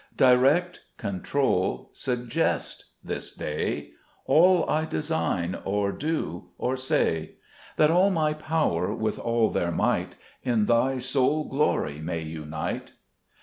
6 Direct, control, suggest, this day, All I design, or do, or say ; That all my powers, with all their might, In Thy sole glory may unite.